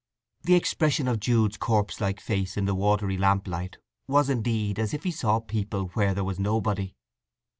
The expression of Jude's corpselike face in the watery lamplight was indeed as if he saw people where there was nobody.